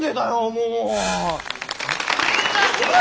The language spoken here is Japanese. もう。